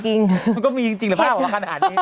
มันก็มีจริงเลยแปลว่าขนาดนี้